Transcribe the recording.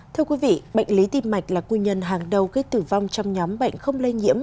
thưa quý vị bệnh lý tim mạch là nguyên nhân hàng đầu gây tử vong trong nhóm bệnh không lây nhiễm